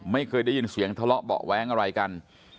ไม่เคยได้ยินเสียงทะเลาะเบาะแว้งอะไรกัน